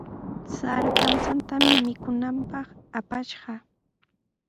Sara kamchatami mikunanpaq apashqa.